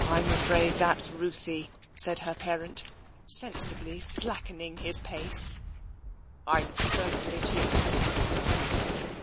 Tm afraid that's Ruthie," said her parent, sensibly slackening his pace. " Fm certain it is."